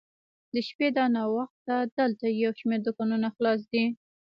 د شپې دا وخت دلته یو شمېر دوکانونه خلاص دي.